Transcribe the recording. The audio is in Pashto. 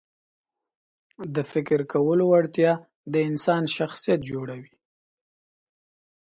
د فکر کولو وړتیا د انسان شخصیت جوړوي.